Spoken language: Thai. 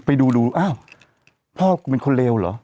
ไปดูดูอ้าวพ่อกูเป็นคนเลวเหรอ